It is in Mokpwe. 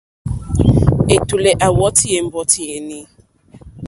Ɛ̀tùlɛ̀ à wɔ́tì ɛ̀mbɔ́tí yèní.